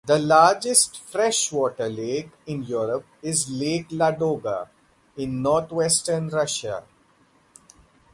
The largest freshwater lake in Europe is Lake Ladoga in northwestern Russia.